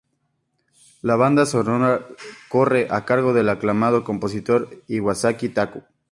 La banda sonora corre a cargo del aclamado compositor Iwasaki Taku.